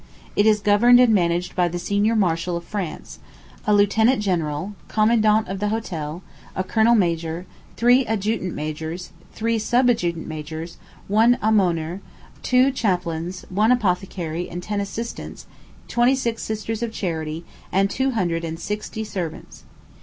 It is governed and managed by the senior marshal of France, a lieutenant general, commandant of the hotel, a colonel major, three adjutant majors, three sub adjutant majors, one almoner, two chaplains, one apothecary and ten assistants, twenty six sisters of charity, and two hundred and sixty servants.